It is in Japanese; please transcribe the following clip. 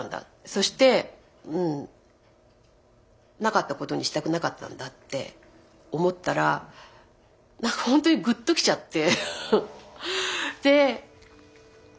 そしてうんなかったことにしたくなかったんだって思ったら何かほんとにグッときちゃって。